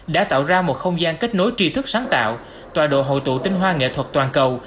đã tạo ra một không gian kết nối tri thức sáng tạo tòa độ hội tụ tinh hoa nghệ thuật toàn cầu